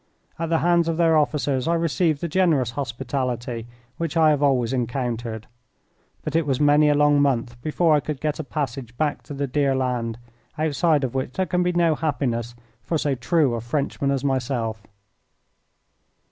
At the hands of their officers I received that generous hospitality which I have always encountered, but it was many a long month before I could get a passage back to the dear land outside of which there can be no happiness for so true a Frenchman as myself.